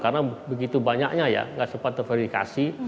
karena begitu banyaknya ya nggak sempat terverifikasi